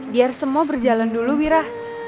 biar semua berjalan dulu wira